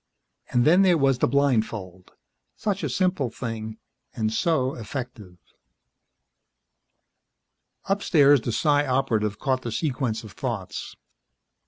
And then there was the blindfold. Such a simple thing, and so effective. Upstairs, the Psi Operative caught the sequence of thoughts.